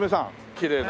きれいな。